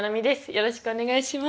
よろしくお願いします。